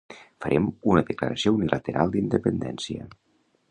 Farem una declaració unilateral d'independència